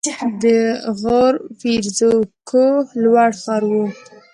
د غور فیروزکوه لوړ ښار و